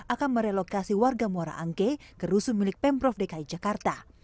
akan merelokasi warga muara angke ke rusun milik pemprov dki jakarta